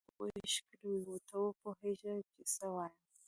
هغوی ښکلې وې؟ ته وپوهېږه چې څه وایم.